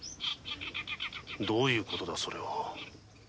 どういう事だそれは？